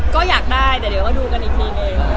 ก็อยากได้แต่เดี๋ยวก็ดูกันอีกทีนึง